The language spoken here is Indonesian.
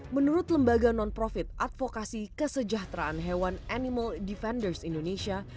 menurut lembaga non profit advokasi kesejahteraan hewan animal defenders indonesia